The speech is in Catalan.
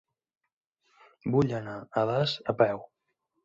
Vull anar a Das a peu.